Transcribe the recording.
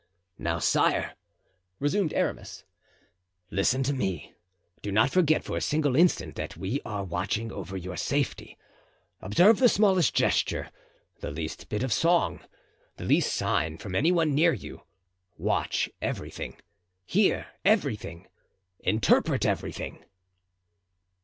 "Now, sire," resumed Aramis, "listen to me. Do not forget for a single instant that we are watching over your safety; observe the smallest gesture, the least bit of song, the least sign from any one near you; watch everything, hear everything, interpret everything."